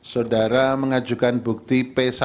saudara mengajukan bukti p satu